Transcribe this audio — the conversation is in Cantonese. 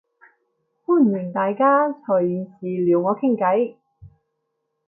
歡迎大家隨時撩我傾計